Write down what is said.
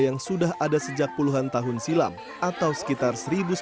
yang sudah ada sejak puluhan tahun silam atau sekitar seribu sembilan ratus sembilan puluh